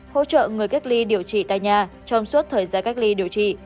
hỗ trợ người cách ly điều trị tại nhà trong suốt thời gian cách ly điều trị